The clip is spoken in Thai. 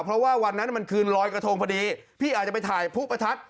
เพราะว่าวันนั้นมันคืนลอยกระทงพอดีพี่อาจจะไปถ่ายผู้ประทัด